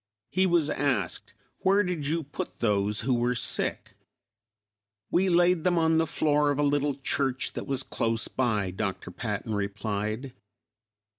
He was asked, "Where did you put those who were sick?" "We laid them on the floor of a little church that was close by," Dr. Patton replied.